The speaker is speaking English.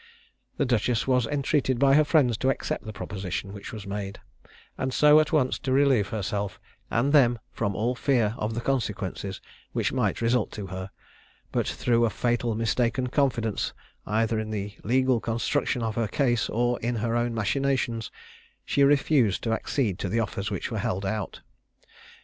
The duchess was entreated by her friends to accept the proposition which was made, and so at once to relieve herself and them from all fear of the consequences which might result to her; but through a fatal mistaken confidence either in the legal construction of her case, or in her own machinations, she refused to accede to the offers which were held out.